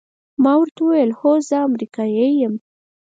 ما ورته وویل: هو، زه امریکایی یم.